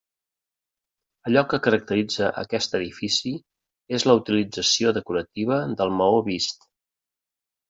Allò que caracteritza aquest edifici és la utilització decorativa del maó vist.